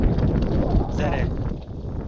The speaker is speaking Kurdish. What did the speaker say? Zer e.